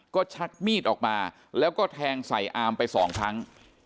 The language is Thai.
ก็ชักมีดออกมาแล้วก็แทงใส่อามไปสองครั้ง